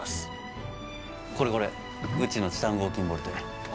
これこれうちのチタン合金ボルトや。